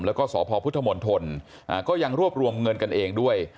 แล้วก็สพพุทธมนตรก็ยังรวบรวมเงินกันเองด้วย